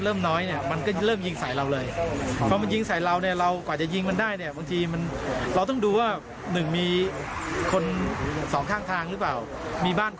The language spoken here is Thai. เราไม่สามารถจี้เข้าไปใกล้ได้